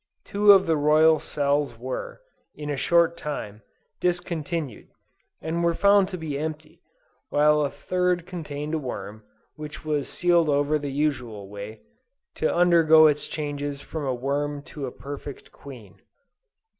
Two of the royal cells were, in a short time, discontinued, and were found to be empty, while a third contained a worm, which was sealed over the usual way, to undergo its changes from a worm to a perfect Queen.